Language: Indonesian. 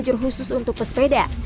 juru parkir khusus untuk pesepeda